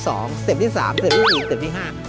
เต็ปที่๓สเต็ปที่๔เต็ปที่๕